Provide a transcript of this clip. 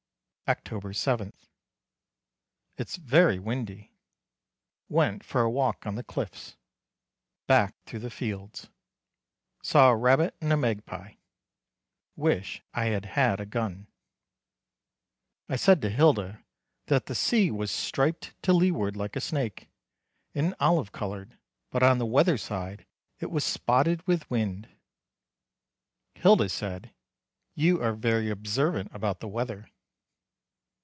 October 7. It's very windy. Went for a walk on the cliffs. Back through the fields. Saw a rabbit and a magpie. Wish I had had a gun. I said to Hilda that the sea was striped to leeward like a snake, and olive coloured, but on the weather side it was spotted with wind. Hilda said: "You are very observant about the weather."